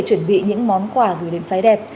chuẩn bị những món quà gửi đến phái đẹp